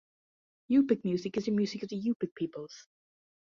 Yupik music is the music of the Yupik peoples.